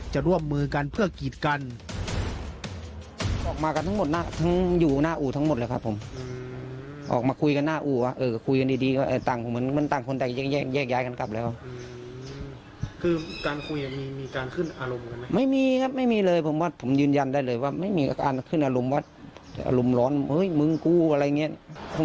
จะร่วมมือกันเพื่อกีดกัน